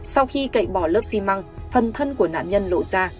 sau khi cậy bỏ lớp xi măng thần thân của nạn nhân lộ ra